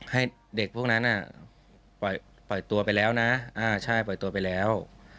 ให้เด็กพวกนั้นปล่อยตัวไปแล้วนะใช่ปล่อยตัวไปแล้ว